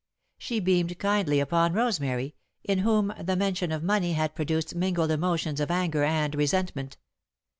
She beamed kindly upon Rosemary, in whom the mention of money had produced mingled emotions of anger and resentment.